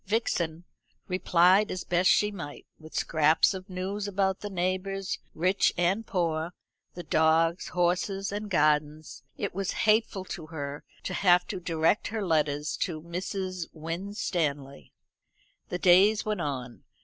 Vixen replied as best she might, with scraps of news about the neighbours, rich and poor, the dogs, horses, and gardens. It was hateful to her to have to direct her letters to Mrs. Winstanley. The days went on.